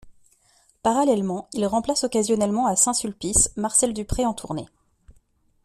Parallèlement, il remplace occasionnellement à Saint-Sulpice, Marcel Dupré en tournée.